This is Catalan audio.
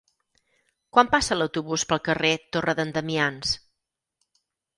Quan passa l'autobús pel carrer Torre d'en Damians?